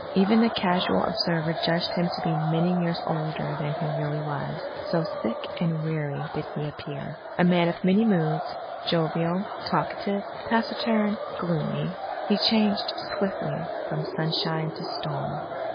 Even the casual observer judged him to be many years older than he really was, so sick and weary did he appear.... A man of many moods, jovial, talkative, taciturn, gloomy, he changed swiftly from sunshine to storm.